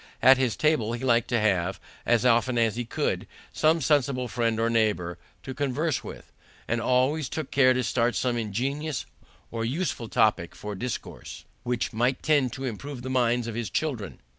At his table he liked to have, as often as he could, some sensible friend or neighbor to converse with, and always took care to start some ingenious or useful topic for discourse, which might tend to improve the minds of his children.